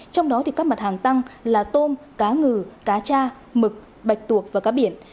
trong đó thì các mặt hàng tăng là tôm cá ngừ cá cha mực bạch tuộc và cá biển